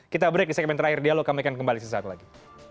kita break di segmen terakhir dialog kami akan kembali sesaat lagi